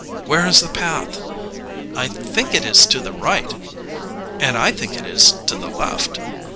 "Where is the path?" "I think it is to the right." "And I think it is to the left."